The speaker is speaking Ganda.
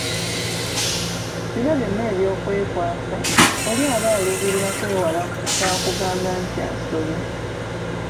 Bino byonna ebyokwekwasa oli aba aluubirira kwewala kya kugamba nti asobya.